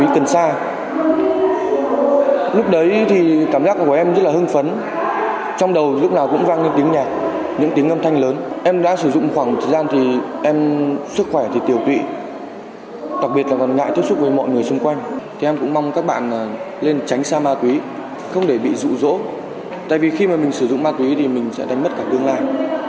khi mà mình sử dụng ma túy thì mình sẽ đánh mất cả tương lai